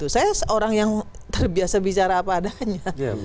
saya seorang yang terbiasa bicara apa adanya